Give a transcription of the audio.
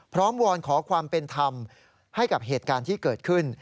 วอนขอความเป็นธรรมให้กับเหตุการณ์ที่เกิดขึ้น